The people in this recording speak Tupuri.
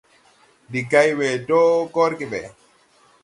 Ndi gay we dɔɔ gɔrge ɓɛ.